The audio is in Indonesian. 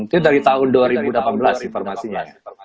itu dari tahun dua ribu delapan belas sih farmasinya